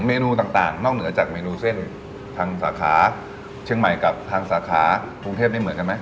เมนูต่างนอกเหนือจากเมนูเส้นทางสาขาเชียงใหม่กับทางสาขากรุงเทพนี่เหมือนกันไหม